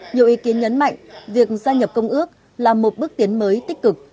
nhiều ý kiến nhấn mạnh việc gia nhập công ước là một bước tiến mới tích cực